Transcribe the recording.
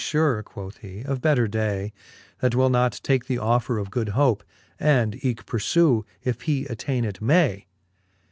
Unworthy fure, quoth he, of better day, That will not take the offer of good hope, And eke purfew, if he attaine it may.